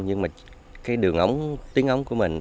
nhưng đường ống tiếng ống của mình